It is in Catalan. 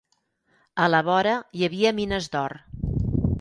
A la vora hi havia mines d'or.